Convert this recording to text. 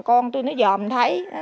con tôi nó dòm thấy